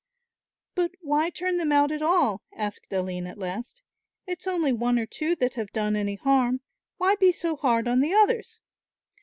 "But why turn them out at all?" asked Aline at last. "It's only one or two that have done any harm, why be so hard on the others?"